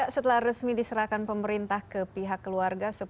setelah resmi diserahkan pemerintah ke pihak keluarga